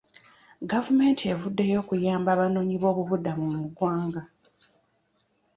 Gavumenti evuddeyo okuyamba abanoonyi b'obubuddamu mu ggwanga.